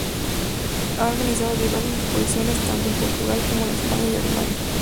Ha organizado diversas exposiciones tanto en Portugal, como en España y Alemania.